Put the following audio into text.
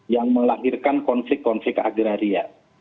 yang melahirkan konflik konflik agraria